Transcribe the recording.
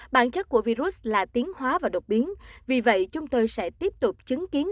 bản chất của virus là tiến hóa và độc biến vì vậy chúng tôi sẽ tiếp tục chứng kiến